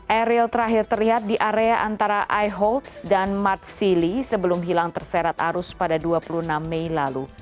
ariel terakhir terlihat di area antara eyholz dan matsili sebelum hilang terserat arus pada dua puluh enam mei lalu